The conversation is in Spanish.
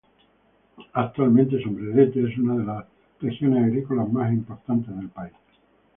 Actualmente Sombrerete es una de las regiones agrícolas más importantes del país.